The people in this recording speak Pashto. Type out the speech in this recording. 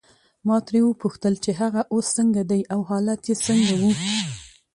ما ترې وپوښتل چې هغه اوس څنګه دی او حالت یې څنګه وو.